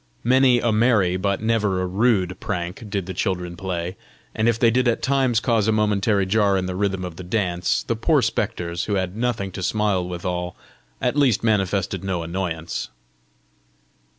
Many a merry but never a rude prank did the children play; and if they did at times cause a momentary jar in the rhythm of the dance, the poor spectres, who had nothing to smile withal, at least manifested no annoyance.